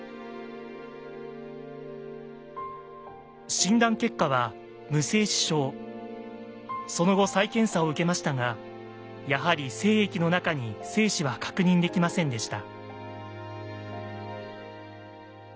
診断結果はその後再検査を受けましたがやはり精液の中に精子は確認できませんでした。